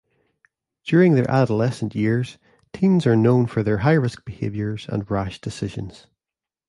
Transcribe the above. During their adolescent years, teens are known for their high-risk behaviors and rash decisions.